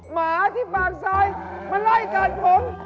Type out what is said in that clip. หมาที่ปากซอยมาไล่กัดผม